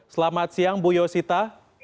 selamat siang ibu yosita